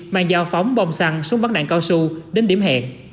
mang dao phóng bông xăng súng bắn đạn cao su đến điểm hẹn